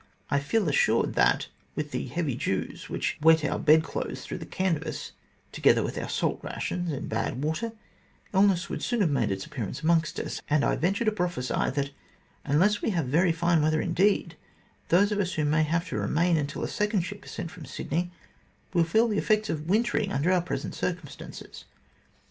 I feel assured that, with the heavy dews which wet our bed clothes through the canvas, together with our salt rations and bad water, illness would soon make its appearance amongst us ; and I venture to prophesy that unless we have very fine weather indeed, those of us who may have to remain until a second ship is sent from Sydney, will feel the effects of wintering under our present circumstances.